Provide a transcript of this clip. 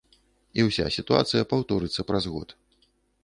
І ўся сітуацыя паўторыцца праз год.